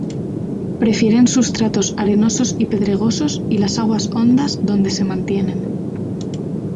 Prefieren sustratos arenosos y pedregosos y las aguas hondas donde se mantienen.